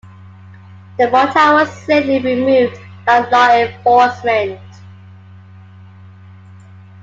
The mortar was safely removed by law enforcement.